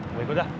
gue ikut dah